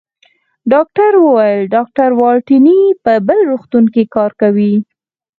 ډاکټر وویل: ډاکټر والنتیني په بل روغتون کې کار کوي.